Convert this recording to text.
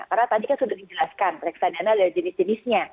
karena tadi kan sudah dijelaskan reksadana ada jenis jenisnya